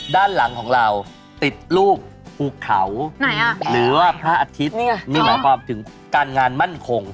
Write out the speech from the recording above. ด้านหลังของเราติดรูปภูเขาหรือว่าพระอาทิตย์นี่หมายความถึงการงานมั่นคง